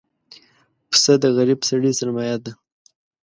پسه د غریب سړي سرمایه ده.